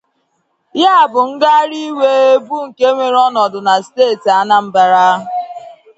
Ya bụ ngagharị iwe bụ nke weere ọnọdụ na steeti Anambra